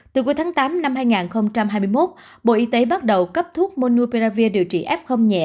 từ cuối tháng tám năm hai nghìn hai mươi một bộ y tế bắt đầu cấp thuốc monuperavir điều trị f nhẹ